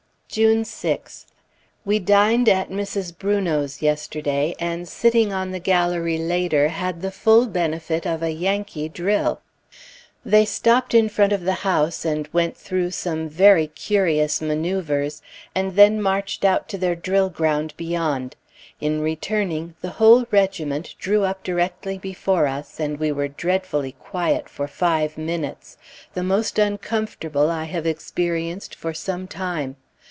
June 6th. We dined at Mrs. Brunot's yesterday, and sitting on the gallery later, had the full benefit of a Yankee drill. They stopped in front of the house and went through some very curious manoeuvres, and then marched out to their drill ground beyond. In returning, the whole regiment drew up directly before us, and we were dreadfully quiet for five minutes, the most uncomfortable I have experienced for some time.